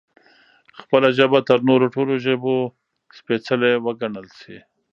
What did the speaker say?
خپله ژبه تر نورو ټولو ژبو سپېڅلې وګڼل شي